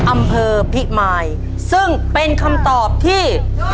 อำเภอพิมายซึ่งเป็นคำตอบที่